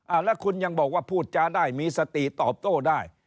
แล้วคุณยังบอกว่าพูดจาได้มีสติตอบโต้ได้